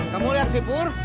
kamu liat si pur